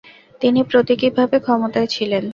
তিনি প্রতীকীভাবে ক্ষমতায় ছিলেন।